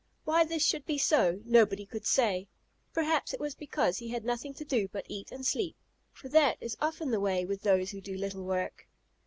Why this should be so, nobody could say; perhaps it was because he had nothing to do but eat and sleep, for that is often the way with those who do little work.